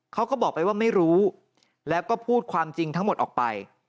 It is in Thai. เขาก็บอกไปว่าไม่รู้แล้วก็พูดความจริงทั้งหมดออกไป